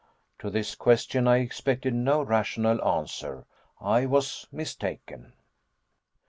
To this question I expected no rational answer. I was mistaken.